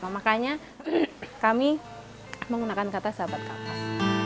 makanya kami menggunakan kata sahabat kapas